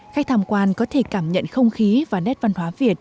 khách tham quan có thể cảm nhận không khí và nét văn hóa việt